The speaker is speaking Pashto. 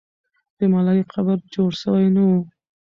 د ملالۍ قبر جوړ سوی نه وو.